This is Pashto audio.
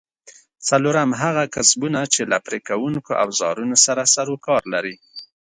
څلورم: هغه کسبونه چې له پرې کوونکو اوزارونو سره سرو کار لري؟